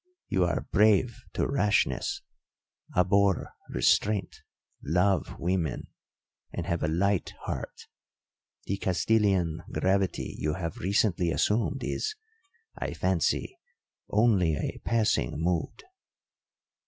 You are brave to rashness, abhor restraint, love women, and have a light heart; the Castilian gravity you have recently assumed is, I fancy, only a passing mood."